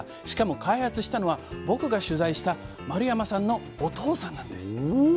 しかも開発したのは僕が取材した丸山さんのお父さんなんです。